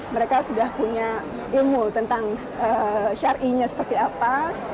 mereka sudah punya ilmu tentang syarinya seperti apa